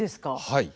はい。